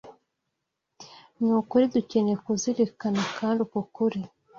ni ukuri dukeneye kuzirikana kandi uko kuri